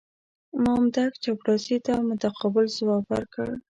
مامدک چپړاسي ته متقابل ځواب ورکړ.